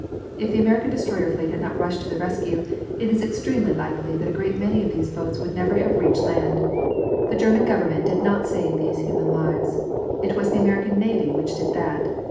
If the American destroyer fleet had not rushed to the rescue it is extremely likely that a great many of these boats would never have reached land. The German Government did not save these human lives. It was the American navy which did that.